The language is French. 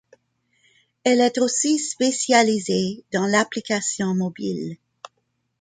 Elle est aussi spécialisée dans l'application mobile.